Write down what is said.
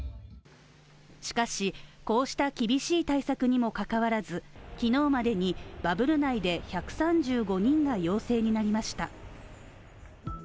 しかし、こうした厳しい対策にもかかわらず昨日までにバブル内で１３５人が陽性になりました。